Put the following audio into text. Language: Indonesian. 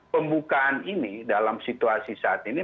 pembukaan ini dalam situasi saat ini